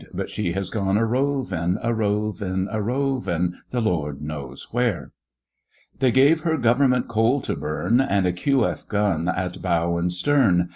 But she has gone a rovin\ a rovin\ a rovin\ The Lord knows where ! They gave her Government coal to burn, And a Q.F. gun at bow and stern.